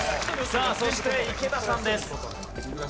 さあそして池田さんです。